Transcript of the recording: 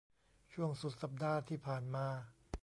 ช่วงสุดสัปดาห์ที่ผ่านมา